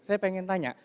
saya pengen tanya